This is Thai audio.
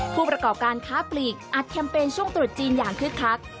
ผู้ประกอบการค้าปลีกอัดแคมเปญช่วงตรุษจีนอย่างคึกคัก